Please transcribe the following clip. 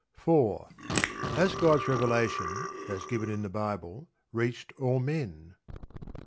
4. Has God's revelation, as given in the Bible, reached all men?